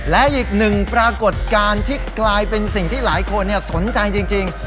และอีกหนึ่งปรากฏการณ์ที่กลายเป็นสิ่งที่หลายคนสนใจจริง